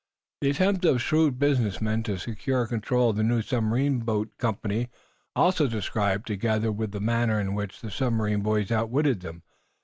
The attempt of shrewd business men to secure control of the new submarine boat company was also described, together with the manner in which the submarine boys outwitted them.